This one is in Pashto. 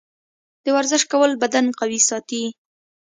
د ورزش کول بدن قوي ساتي.